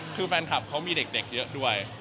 คือแฟนคลับเขามีเด็กเยอะด้วย